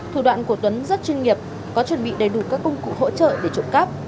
thủ đoạn của tuấn rất chuyên nghiệp có chuẩn bị đầy đủ các công cụ hỗ trợ để trộm cắp